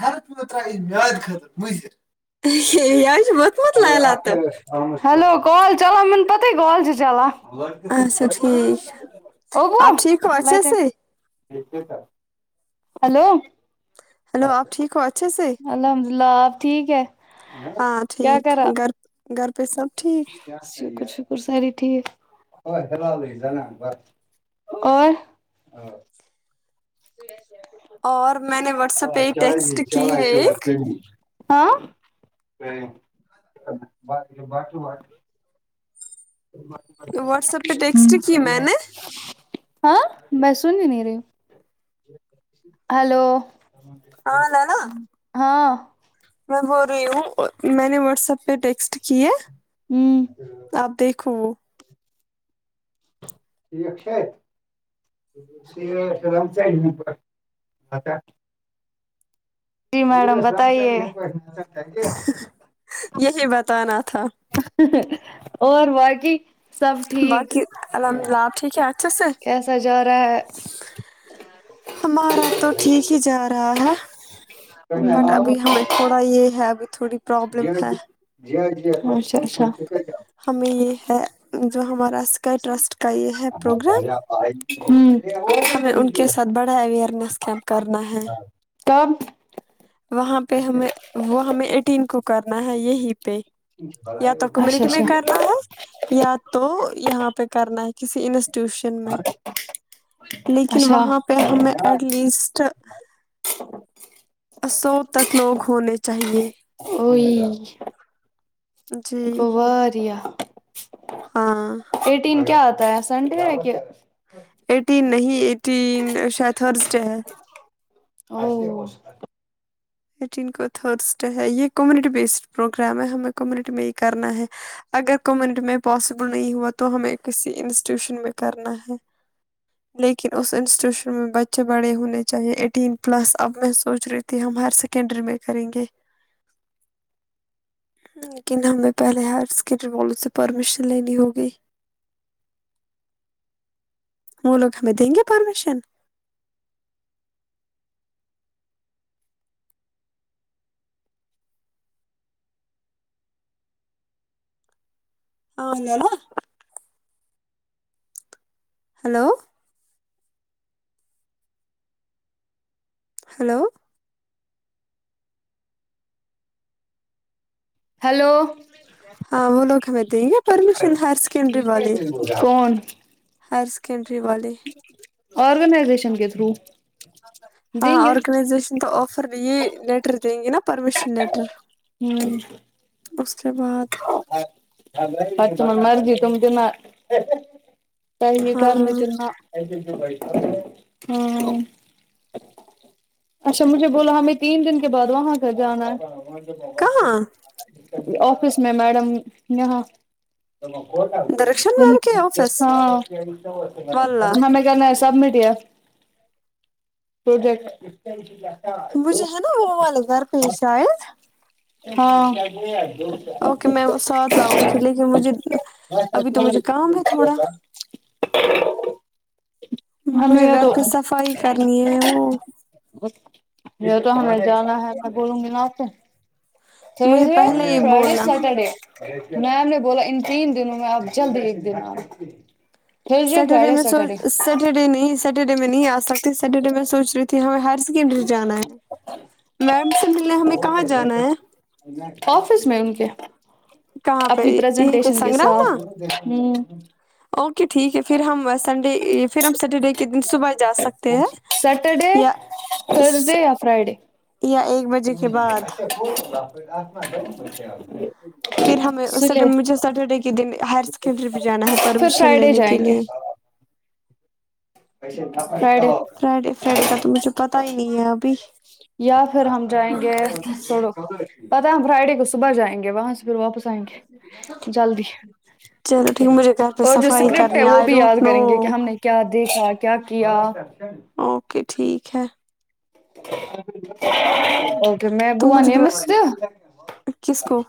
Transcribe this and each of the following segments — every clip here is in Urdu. حر پر مد خطر مضر وج بتمت ل ل آتا ہیلو کال چلان میں نے پت ہی کالی چلان اچھا ٹھیک ہے آپ ٹھیک ہو اچھے سےے ٹھیکے سر ہلو ہلو آپ ٹھیک ہوچ الحمد للہ آپ ٹھیک ہے ہاں کیا ٹھیک کرا گھر گھر پ سب ٹھیک س ٹیک اور پ اور میں نے واٹسپ پہ ایک ٹیکسٹ کی ہے ایک ہ باقی واٹسپ پہ ٹیکسٹ کی میں نے ہاں بسن بھی نہیں رہی ہلو ہاں لالا ہاں میں بول رہی ہوں میں نے واٹس ایپ پہ ٹیکسٹ کی ہے ہوں آپ دیکھو ٹیک سے ہے نمر جی میڈم بتائیے یہی بتانا تھا [unintelligible] اور باقی سب ٹھیک باقی الحمدلہ آپ ٹھیک ہے اچھے سے کیسا جا رہا ہے ہمارا تو ٹھیک ہی جا رہا ہے بٹ ابھی ہمیں تھوڑا یہ ہے اب تھوڑی پروابلم ہے جی جی ہمیں یہ ہے جو ہمارا سکائی ٹرسٹ کا یہ ہے پروگرام ہوں ہمیں ان کے ساتھ بڑا اوئیرنیس کیمپ کرنا ہے تب وہاں پہ ہمیں وہ ہمیں ایٹین کو کر نہ یہی پ یا تو اچھا کمیونٹی میں اچھا کرنا ہے یا تو یہاں پہ کرنا ہے کسی ٹیوشن میں لیکن اچھا وہاں پہ ہمیں ایٹ لیسٹ سو تک لوگ ہونے چاہیے کوئی جی گویا [inaudible] ہاں ایٹین کیا تھا د س ہڈک اٹی نہیں تین شاید تھرس ڈے ہے او ایٹین کو تھرس ہے یہ کمیونٹی بیسڈ پروگرام ہے ہمیں کمیونٹی میں ہی کرنا ہے اگر کمیونٹی میں پاسبل نہیں ہوا تو ہمیں کسی انسٹیٹیوشن میں کرنا ہے لیکن اس انسٹیٹیوشن میں بچے بڑے ہونے چاہیے ایٹین پلس اب میں سوچ رہی تھی ہم ہر س سکنڈری میں کریں گے لیکن ہمیں پہلے ہر سکنڈری والوں سے پرمیشن لینی ہوگی وہ لوگ ہمیں دیں گے پرمیشن ہاں ن ہلو ہلو ہلو ہاں وہ لوگ ہمیں دیں گے پرمیشن ہائر سیکنڈری والے کون ہ سکنڈری والی آرگنائزیشن کے تھرو ہاں دیں گے آرگنائزیشن تو آفر یہ لیٹر دیں گے نا پرمیشن لیٹر اس کے بعد پچ م مرد تم د ن کہ نہیں کرم چ ہاں نہ ہ اچھا مجھے بولا ہمیں تین دن کے بعد وہاں کا جانا ہے بگان پہ کہاں جی اوکے کس میں میڈم یہاں درخشن میم کے آفس ہاں واللہ ہم میں گ سبمٹ پروجیکٹ مجھے ہے نا وہ والے گھر پیش آئے ہاں اوکے میں ساتھ لاؤں گی لیکن مجھے ابھی تو مجھے کام ہے تھوڑا ہمیں مجھے یہ گھر تو پہ صفائی کرنی ہے وہ یہ تو ہمیں جانا ہے نا گولو ملاس مجھے پہلے ہی تھرزڈے فرائیڈے بولنا سٹرڈے میم نے بولا ان تین دنوں میں آپ جلد ایک دن آ سیٹرڈے میں سو سیٹرڈے نہیں سیٹرڈے میں نہیں آ سکتی سیٹرڈے میں سوچ رہی تھی ہمیں ہر کنڈری جانا ہے میم سے ملنے ہمیں کہاں جانا ہے سن کیا کہاں پہ یہیں پہ سنگراما ساتھ ہوں اوکے ٹھیک ہے پھر ہم سنڈے پھر ہم سٹرڈے کے د صبح جا سکتے ہیں یا اس- تھرزڈے یا فرائیڈے یا ایک ہ بجے کے بعد اا کولا آ ما س پھر ہمیں اس مجھے سٹرڈے کے دن ہائر سیکنڈری پہ جانا ہے پھر پرمیشن فرائیڈے لینے کے جائیں گے لیے فرائیڈے فرائیڈے فرائیڈے کا تو مجھے پتا ہی نہیں ہے ابھی یا پھر ہم جائیں گے چھوڑو پت ہم فرائیڈے کو صبح جائیں گے وہاں سے پھر واپس آئیں گے جلدی چلو ٹھیک ہے مجھے گھر پہ اور جو صفائی اسکرپٹ ہے کرنے وہ آئی بھی ڈونٹ یاد نو کریں گے کہ ہم نے کیا دیکھا کیا کیا اوکے ٹھیک ہے ہ اوکے میں تو مجھے بووانی ہ مس بولا سے کس کو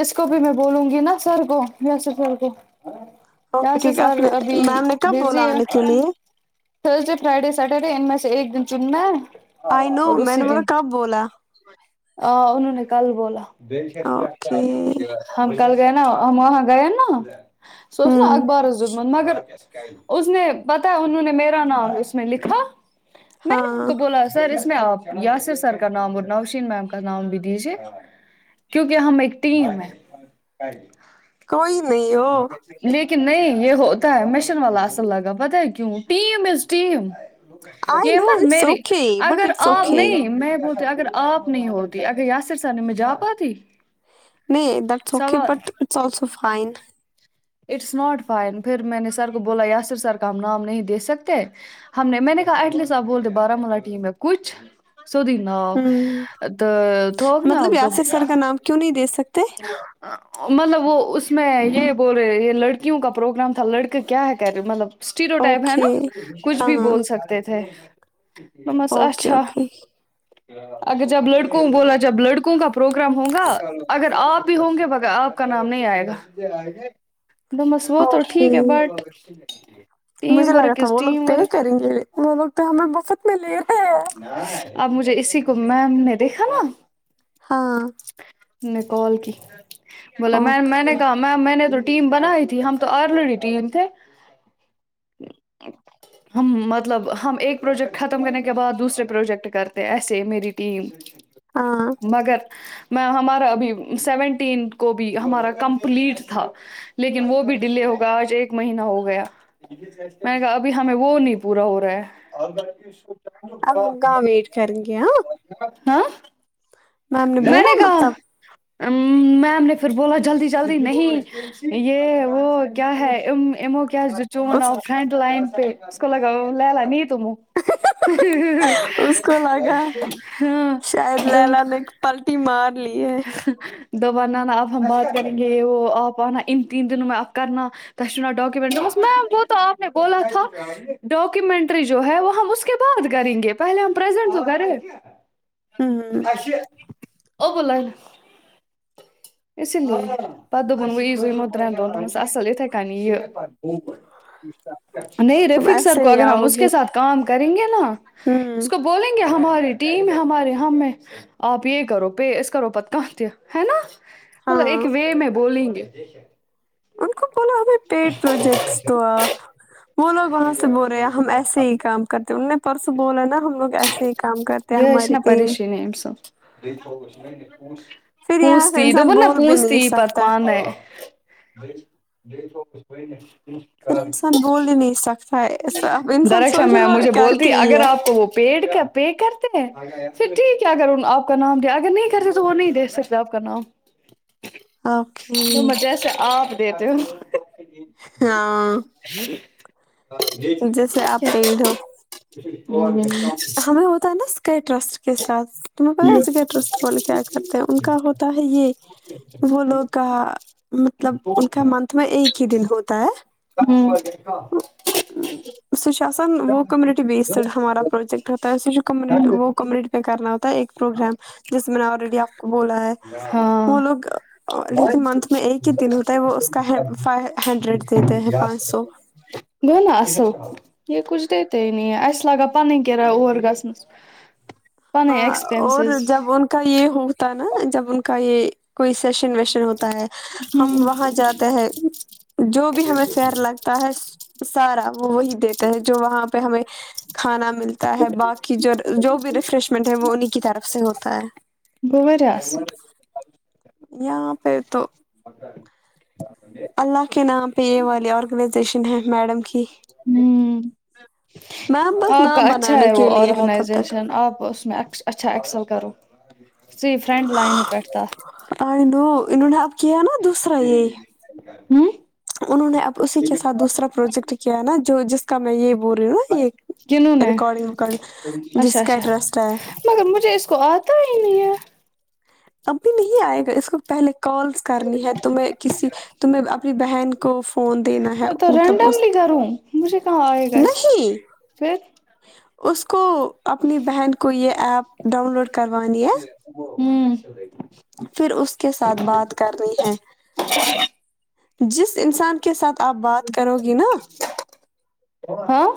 اس کو بھی میں بولوں گی نا سر کوو یہس سار کو اوک یہاں سے ٹھیک ہے آپ سر نے ابھی میم نے کب بولا بزی ہے آنے کے لیے تھرسڈے فرائیڈے سیٹرڈے ان میں سے ایک دن چننا ہے آئی ن اور میں نے اسی م دن کب بولا آ انہوں نے کل بوول [inaudible] [inaudible] اوکے گ نا وہاں گا نا سو اس نا ہوں اخبارس دتمت مگر اس نے پتا انہوں نے میرا نام اس میں لکھا میں نے ان ہاں کو بولا سر اس میں آپ یاسر سر کا نام اور نوشین میم کا نام بھی دیجیے کیونکہ ہم ایک ٹیم ہے کوئی نہیں ہو کہ نہیں یہ ہوتا ہے مشن والا اصل لگا پت ہے کیوں ٹیم از ٹیم آئ یہ نو مت میری سوکھے بٹ اگر آپ نہیں میں ہو اگر آپ نہیں ہوتی اگر یاسر سا میں جا پاتی نہیں دٹس اوکے سوال but it also fine it's not fine پھر میں نے سر کو بولا یاسر سر کا ہم نام نہیں دے سکتے ہم نے میں نے کہا ایٹ لیسٹ آپ بول د بارامولہ ٹیم میں کچھ سوود نا تو توک نا مطلب یاسر سر کا نام کیوں نہیں دے سکتے مطلب وہ اس میں یہ بول رہے یہ لڑکیوں کا پروگرام تھا لڑکے کیا ہے کر رہے مطلب اسٹییروٹائپ ہے اوکے نا کچھ ہاں بھی بول سکتے تھے مس اوکے اچھا اوکے اگر جب لڑکوں بولا جب لڑکوں کا پروگرام ہوگا اگر آپ بھی ہوں گے آپ کا نام نہیں آئے گا دوپمس ووتو اوکے ٹھیک ہے بٹ یم مجھے لگا ورک تھا از وہ یم ورک سب میں لے رہے ہیں اب مجھے اسی کو میم نے دیکھا نا ہاں میں کال کی بولا میں میں نے اوکے کہا میں میں نے ٹیم بنائی تھی ہم تو آرریڈی ٹیم تھے ہم مطلب ہم ایک پروجیکٹ ختم کرنے کے بعد دوسرے پروجیکٹ کرتے ایسے میری ٹیم ہاں مگر میں ہمارا ابھی سیونٹینھ کو بھی ہمارا کمپلیٹ تھا لیکن وہ بھی ڈیلے ہو گیا آج ایک مہینہ ہو گیا میں نے کہا ابھی ہمیں وہ نہیں پورا ہو رہا ہے اب ہم کہاں ویٹ کریں گے ہاں ہاں میم نے میں بولا کہا مطلب میم نے پھر بولا جلدی جلدی نہیں یہ وہ کیا ہے ک کیا د چون اس آ فرینٹ لائن پ اس کو لگاؤ لے لا ن توم اس کو لگا ہاں شاید د لیلا ایک پالٹی مار لی ہے [unintelligible] دوب نا اب ہم بات کریں گے وہ آپ آنا ان تین دنوں میں آپ کرنا تنا ڈاکومٹری میم وہ تو آپ نے بولا تھا ڈاکومینٹری جو ہے وہ ہم اس کے بعد کریں گے پہلے ہمزینٹ تو کرے ہوں [unintelligible] اب لن ا لیے پ دپن وہزو ہم ترین دن اصل ات کنی یہ نہیں تم رفک سر ایسے کو ہی اگر ہم آؤ اس گی کے ساتھ کام کریں گے نا اس ہوں کو بولیں گے ہمارے ٹیم ہے ہمارے ہمیں آپ یہ کرو پے اس کرو پت کہاں ت ہے نا مطلب ہاں ایک وے میں بولیں گے جی س ان کو بولا ہم پیڈ پروجیکٹس تو آپ وہ لوگ وہاں سے بول رہے ہیں ہم ایسے ہی کام کرتے انوں نے پرسوں بولا نا ہم لوگ ایسے ہی کام کرتے ہیں یہ ش ہماری نا ٹیم پھر [unintelligible] یہاں پوس ت سے انسان دپن نا بول بھی پوس ت نہیں یہ پ سکتا پان کوئی نش پھر انسان بول ہی نہیں سکتا ہے اب [unintelligible] انسان درخش سوشل میں مجھے ورک کر کے بولتی ہی اگر ہے آپ کو وہ پ کا پ کر پھر ٹھیک ہے اگر آپ کا نام دیا اگر نہیں کرتے تو وہ نہیں دے سکتے آپ کا نام اوکے [unintelligible] دیتے ہیں ہاں [unintelligible] جیسے آپ پیڑ ہو ہمیں ہوتا ہے نا اسکئی ٹرسٹ کے ساتھ تمہیں پتا ہے اسکئی ٹرسٹ بولے کیا کرتے ہیں ان کا ہوتا ہے یہ وہ لوگ کا مطلب ان کا منتھ میں ایک ہی دن ہوتا ہے س جو آان وہ کومونٹی بیسڈ ہمار پروجٹ ہوتا ہے وہ کمیونٹی پ کرنا ہوتا ہے ایک پروگرام جس میں نے آلریڈی آپ کو بولا ہے ہاں وہ لوگ لیکن منتھ میں ایک ہی دن ہوتا ہے وہ اس کا فائی ہنڈریڈ دیتے ہیں پانچ سو گوو نا اصل یہ کچھ دیتے اس لگا پنن کرایہ اورور گسنس ہاں اور جب ان کا یہ ہوتا نا جب ان کا یہ کوئیس سیشن ویشن ہوتا ہے ہم وہاں جاتے ہیں جو بھی ہمیں فر لگتا ہے سارا وہ وہی دیتا ہے جو وہاں پہ ہمیں کھانا ملتا ہے باقی جو جو بھی ریفریش ٹ ہے وہ انہیں کی طرف سے ہوتا ہے گوٚو واریاہ اصل یہاں پہ تو بتر اللہ کے نام پہ یہ والے اور یشن ہے میڈم کی میم بس آپ کا نام اچھا بنانے ہے وہ کے لیے ہے تب تک آرگنائزیشن آپ اسس میں اچھا ایکسل کرو س فرینڈ لائن پی ت تھا آئی نو انہوں نے کیا نا دوسرا یہ ہوں انہوں نے اب اسی کے ساتھ دوسرا پروجیکٹ کیا نا جو جس [unintelligible] نا یہ کنوں نے ریکارڈنگ وکارڈنگ اچھا جس کا اچھا انٹرسٹ ہے مگر مجھے اس کو آتا ہے نہیں اب بھی نہیں آئے گا اس کو پہلے کالس کرنی ہے تمیں کسی تمہیں اپنی بہن کو فون دینا ہے تو مطلب اس رینڈملی کروں مجھے کہاں آئے گا اس نہیں پھر اس کو اپنی بہن کو یہ ایپ ڈاؤن لوڈ کروانی ہے ہوں پھر اس کے ساتھ بات کرنی ہے جس انسان کے ساتھ آپ بات کرو گی نا ہاں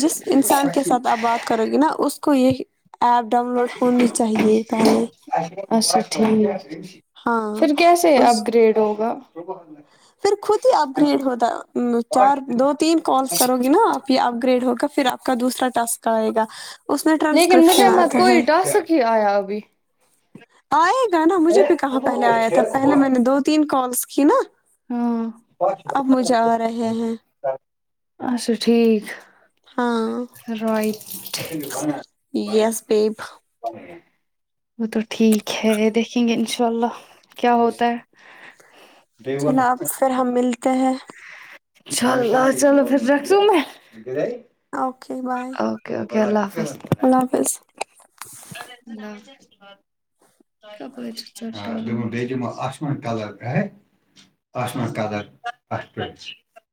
جس انسان کے ساتھ آپ بات کرو گے نا اس کوئی ہی ایپ ڈاؤن لوڈ ہونی چاہیے پہلے اچھا ٹھیک ہاں پھر کیسے اپ اس گریڈ ہوگا [unintelligible] پھر خود ہی اپ گریڈ ہوتا چار دو تین کالس کرو گی نا آپ یہ اپ گریڈ ہوگا پھر آپ کا دوسر لیکن مجھے مت آتا ہے کوئی ڈا سک ہی آیا ابھی آئے نا مجھے بھی کہاں پہلے آیا تھا پہلے میں نے دو تین کالس کیھی نا ہاں اپ مجھے آ رہے ہیں اچھا ٹھیک ہاں رائٹ یس بیب وہ تو ٹھیک ہے دیکھیں گے انشاءلہ چل کیا ہوتا ہے چلو آپ پھر ہم ملتے ہیں چلو چلو پھر رکھ سوں میں اوکے بائے اوکے اوکے اللہ حافظ اللہ حافظ د بی دم آما کلر آما کلر آٹ پ